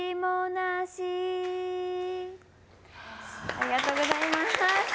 ありがとうございます。